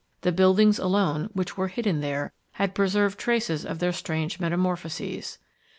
The buildings alone, which were hidden there, had preserved traces of their strange metamorphoses.